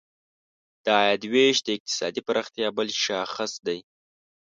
د عاید ویش د اقتصادي پراختیا بل شاخص دی.